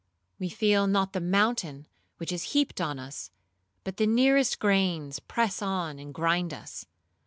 We feel not the mountain which is heaped on us, but the nearest grains press on and grind us.